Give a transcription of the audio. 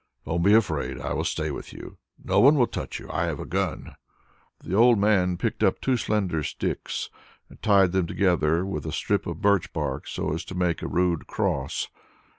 "Don't be afraid. I will stay with you. No one will touch you; I have a gun." The old man picked up two slender sticks and tied them together with a strip of birch bark, so as to make a rude cross.